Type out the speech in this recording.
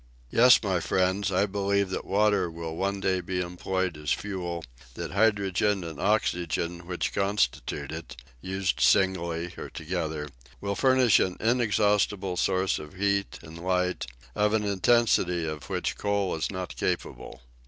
Yes, my friends, I believe that water will one day be employed as fuel, that hydrogen and oxygen which constitute it, used singly or together, will furnish an inexhaustible source of heat and light, of an intensity of which coal is not capable.